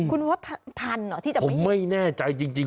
คุณว่าทันเหรอที่จะบอกไม่แน่ใจจริง